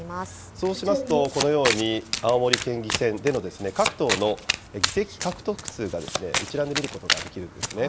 そうしますと、このように青森県議選での各党の議席獲得数が一覧で見ることができるんですね。